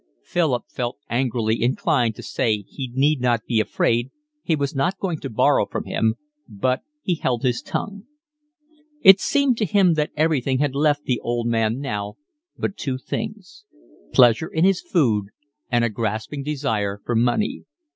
Philip felt angrily inclined to say he need not be afraid, he was not going to borrow from him, but he held his tongue. It seemed to him that everything had left the old man now but two things, pleasure in his food and a grasping desire for money.